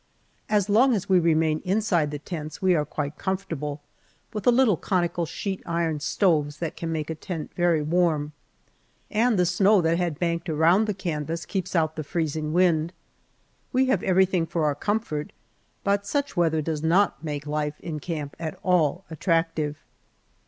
As long as we remain inside the tents we are quite comfortable with the little conical sheet iron stoves that can make a tent very warm. And the snow that had banked around the canvas keeps out the freezing wind. We have everything for our comfort, but such weather does not make life in camp at all attractive.